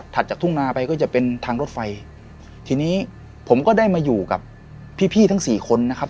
จากทุ่งนาไปก็จะเป็นทางรถไฟทีนี้ผมก็ได้มาอยู่กับพี่พี่ทั้งสี่คนนะครับ